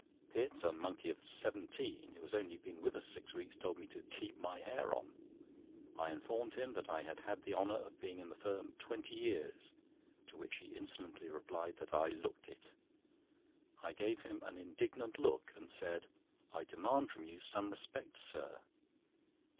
Pitt, a monkey of seventeen, who has only been with us six weeks, told me "to keep my hair on!" I informed him I had had the honour of being in the firm twenty years, to which he insolently replied that I "looked it." I gave him an indignant look, and said: "I demand from you some respect, sir."